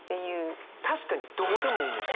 確かにどうでもいいんですよ。